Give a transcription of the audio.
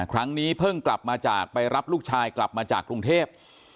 ครั้งนี้เพิ่งกลับมาจากไปรับลูกชายกลับมาจากกรุงเทพ